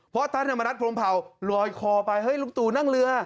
เพราะท่านธรรมนัฐพรมเผาลอยคอไปเฮ้ยลุงตู่นั่งเรือ